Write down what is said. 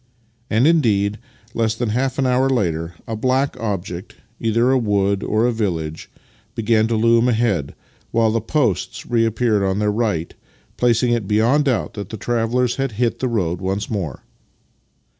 " And, indeed, less than half an hour later a black object — either a wood or a village — began to loom ahead, while the posts reappeared on their right, placing it beyond doubt that the travellers had hit the road once more.